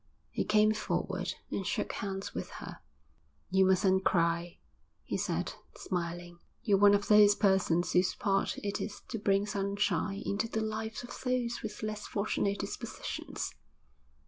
He came forward and shook hands with her. 'You mustn't cry,' he said, smiling. 'You're one of those persons whose part it is to bring sunshine into the lives of those with less fortunate dispositions.